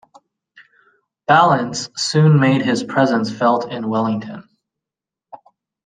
Ballance soon made his presence felt in Wellington.